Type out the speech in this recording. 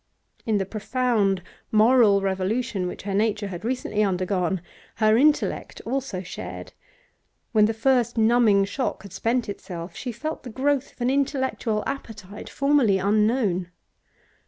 In the profound moral revolution which her nature had recently undergone her intellect also shared; when the first numbing shock had spent itself, she felt the growth of an intellectual appetite formerly unknown.